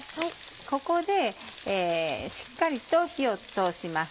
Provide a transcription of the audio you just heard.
ここでしっかりと火を通します。